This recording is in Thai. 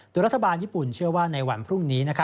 โดยรัฐบาลญี่ปุ่นเชื่อว่าในวันพรุ่งนี้